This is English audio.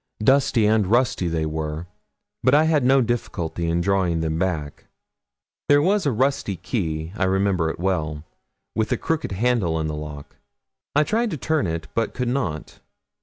Dusty and rusty they were, but I had no difficulty in drawing them back. There was a rusty key, I remember it well, with a crooked handle in the lock; I tried to turn it, but could not.